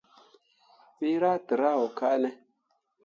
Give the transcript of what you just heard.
Wǝ rah tǝrah wo kane.